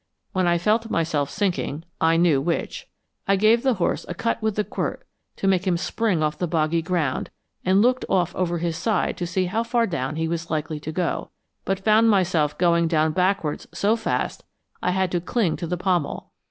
When I felt myself sinking, I knew which. I gave the horse a cut with the quirt to make him spring off the boggy ground, and looked off over his side to see how far down he was likely to go, but found myself going down backwards so fast I had to cling to the pommel.